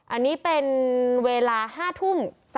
อันนี้เป็นเวลา๕ทุ่ม